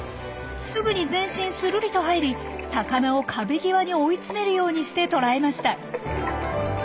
すぐに全身スルリと入り魚を壁際に追い詰めるようにして捕らえました。